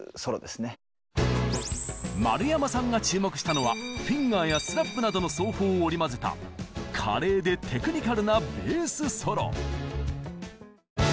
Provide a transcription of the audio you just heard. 丸山さんが注目したのはフィンガーやスラップなどの奏法を織り交ぜた華麗でテクニカルなベースソロ！